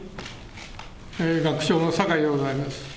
学長の酒井でございます。